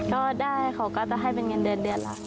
ก็ได้เขาก็จะให้เป็นเงินเด็ดละ